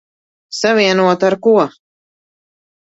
Savienota ar ko?